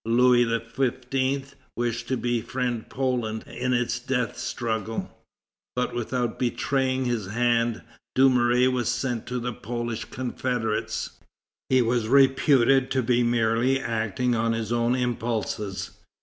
Louis XV. wished to befriend Poland in its death struggle, but without betraying his hand. Dumouriez was sent to the Polish confederates. He was reputed to be merely acting on his own impulses.